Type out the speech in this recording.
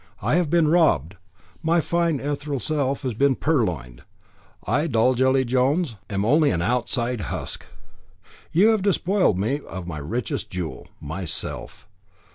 I have been robbed my fine ethereal self has been purloined. I Dolgelly Jones am only an outside husk. You have despoiled me of my richest jewel myself."